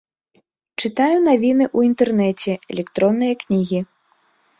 Чытаю навіны ў інтэрнэце, электронныя кнігі.